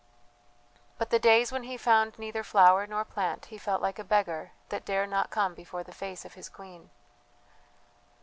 But the days when he found neither flower nor plant he felt like a beggar that dare not come before the face of his queen....